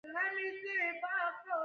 سارا خپلې ګرالبې وتړلې.